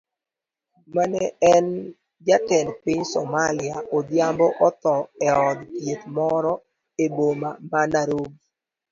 Mane en jatend piny Somalia Odhiambo otho eod thieth moro eboma ma Nairobi.